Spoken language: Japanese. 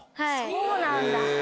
そうなんだ。